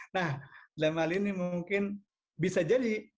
nah dalam hal ini mungkin bisa jadi